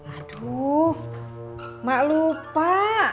aduh mak lupa